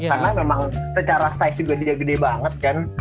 karena memang secara size juga dia gede banget kan